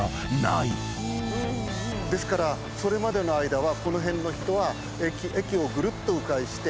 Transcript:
ですからそれまでの間は。